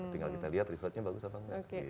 tinggal kita lihat resortnya bagus apa enggak